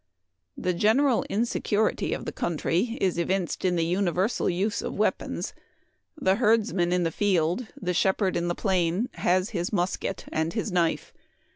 The gen eral insecurity of the country is evinced in the universal use of weapons. The herdsman in the field, the shepherd in the plain, has his musket and his knife.